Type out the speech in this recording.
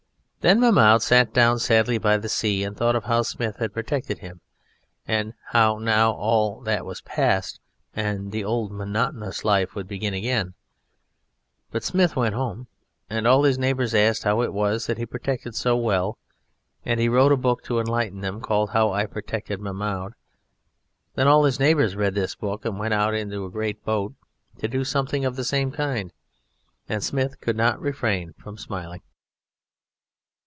Then Mahmoud sat down sadly by the sea, and thought of how Smith had protected him, and how now all that was passed and the old monotonous life would begin again. But Smith went home, and all his neighbours asked how it was that he protected so well, and he wrote a book to enlighten them, called How I Protected Mahmoud. Then all his neighbours read this book and went out in a great boat to do something of the same kind. And Smith could not refrain from smiling.